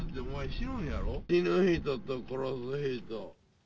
死ぬ人と殺す人。